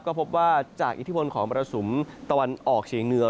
ก็พบว่าจากอิทธิพลของมรสุมตะวันออกเฉียงเหนือ